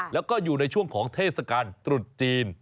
แล้วก็อยู่ในช่วงของเทศกาลตรุษจีน